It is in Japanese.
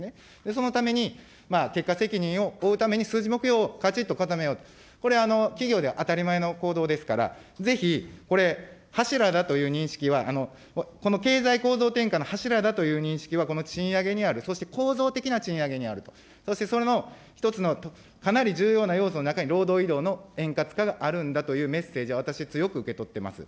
そのために、結果責任を負うために、数字目標をかちっと固めようと、これ、企業では当たり前の行動ですから、ぜひ、これ、柱だという認識は、この経済構造転換の柱だという認識は、この賃上げにある、そして構造的な賃上げにあると、そしてその１つのかなり重要な要素の中に、労働移動の円滑化があるんだというメッセージを私、強く受け取っています。